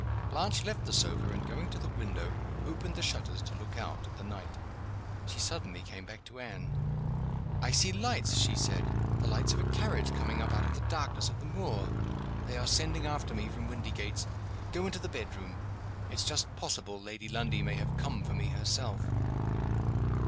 Blanche left the sofa, and, going to the window, opened the shutters to look out at the night. She suddenly came back to Anne. "I see lights," she said "the lights of a carriage coming up out of the darkness of the moor. They are sending after me, from Windygates. Go into t he bedroom. It's just possible Lady Lundie may have come for me herself."